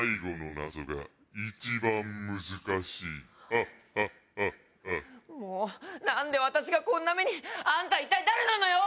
ハッハッハッハッもう何で私がこんな目にあんた一体誰なのよ！